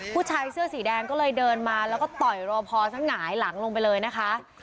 ผู้ชายเสื้อสีแดงก็เลยเดินมาแล้วก็ต่อยรอพอสักหงายหลังลงไปเลยนะคะ